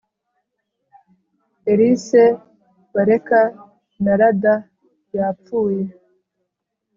Erise wa Leka na Lada yapfuye